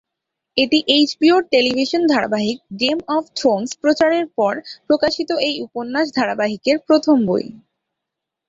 এটি এইচবিওর টেলিভিশন ধারাবাহিক "গেম অব থ্রোনস" প্রচারের পর প্রকাশিত এই উপন্যাস ধারাবাহিকের প্রথম বই।